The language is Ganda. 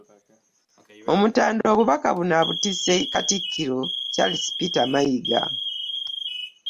Omutanda obubaka buno abutisse Katikkiro Charles Peter Mayiga.